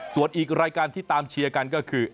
ส่วนอีกรายการที่ตามเชียร์กันก็คือ